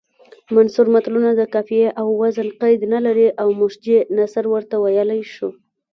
منثور متلونه د قافیې او وزن قید نلري او مسجع نثر ورته ویلی شو